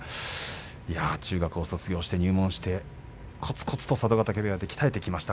中学を卒業して入門してこつこつと佐渡ヶ嶽部屋で鍛えてきました